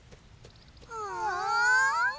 うん？